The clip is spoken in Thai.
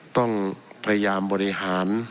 ต้องพยายามบริหาร